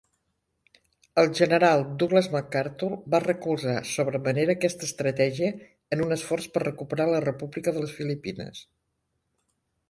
El General Douglas MacArthur va recolzar sobre manera aquesta estratègia en un esforç per recuperar la República de les Filipines.